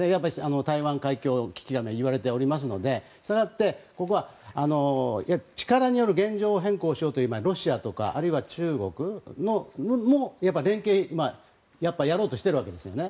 台湾海峡危機と言われていますのでしたがってここは力による現状変更をしようというロシアとかあるいは中国も連携をやろうとしているわけですよね。